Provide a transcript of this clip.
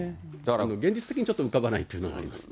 現実的にはちょっと浮かばないというのがありますね。